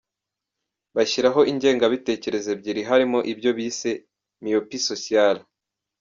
Bashyira ho ingengabitekerezo ebyiri harimo icyo bise Myopie sociale.